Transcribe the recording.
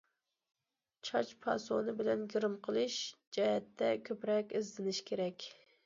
چاچ پاسونى بىلەن گىرىم قىلىش جەھەتتە كۆپرەك ئىزدىنىش كېرەك.